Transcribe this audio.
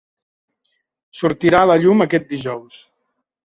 Sortirà a la llum aquest dijous.